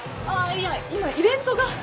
いや今イベントが。